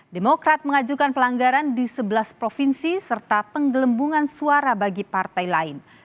demokrat mengajukan pelanggaran di sebelas provinsi serta penggelembungan suara bagi partai lain